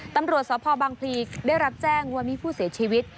ตำรวจสพบังพลีได้รับแจ้งว่ามีผู้เสียชีวิต